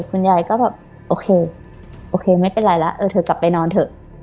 คุณยายก็แบบโอเคโอเคไม่เป็นไรแล้วเออเธอกลับไปนอนเถอะ